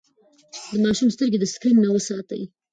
د ماشوم سترګې د سکرين نه وساتئ.